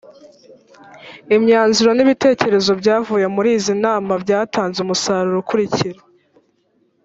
imyanzuro n ibitekerezo byavuye muri izi nama byatanze umusaruro ukurikira